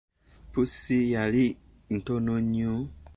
Pussi yali ntono nnyo.